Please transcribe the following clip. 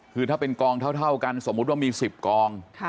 คือถ้าเป็นกองเท่ากันสมมุติว่ามี๑๐กอง